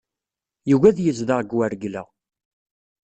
Yugi ad yezdeɣ deg Waregla.